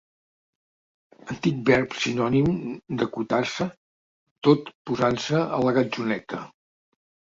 Antic verb sinònim d'acotar-se, tot posant-se a la gatzoneta.